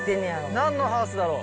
何のハウスだろう。